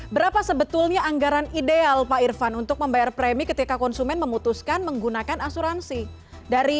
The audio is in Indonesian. berapa sebetulnya anggaran ideal pak irfan untuk membayar premi ketika konsumen memutuskan menggunakan asuransi